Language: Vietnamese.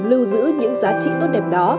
lưu giữ những giá trị tốt đẹp đó